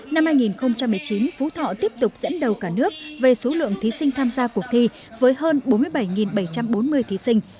năm hai nghìn một mươi chín phú thọ tiếp tục dẫn đầu cả nước về số lượng thí sinh tham gia cuộc thi với hơn bốn mươi bảy bảy trăm bốn mươi thí sinh